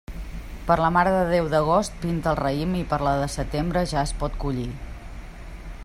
Per la Mare de Déu d'agost pinta el raïm i per la de setembre ja es pot collir.